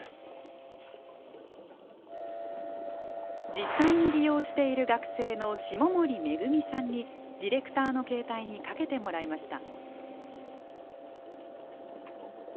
実際に利用している学生の下森めぐみさんにディレクターの携帯にかけてもらいました。